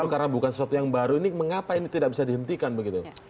karena bukan sesuatu yang baru ini mengapa ini tidak bisa dihentikan begitu